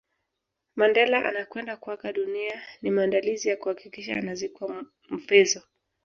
Mandela anakwenda kuaga dunia ni maandalizi ya kuhakikisha anazikwa Mvezo